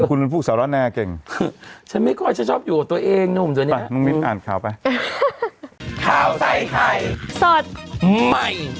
อุ๊ยแล้วเขาจะรู้จักกันไหม